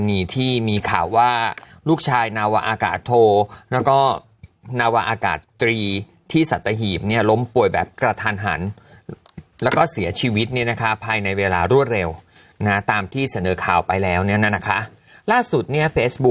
ไม่นึกว่าจะทำอย่างนี้ก็ทำกันได้